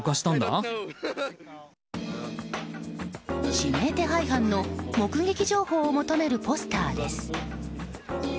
指名手配犯の目撃情報を求めるポスターです。